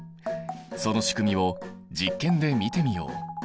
そのしくみを実験で見てみよう。